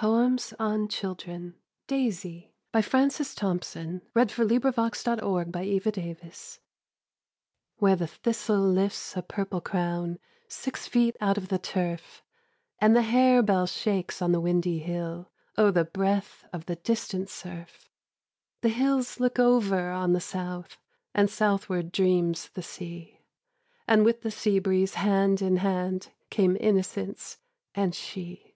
livious shame, Armed with your crested and prevailing Name. Poems on Children DAISY Where the thistle lifts a purple crown Six foot out of the turf, And the harebell shakes on the windy hill O the breath of the distant surf! The hills look over on the South, And southward dreams the sea; And, with the sea breeze hand in hand, Came innocence and she.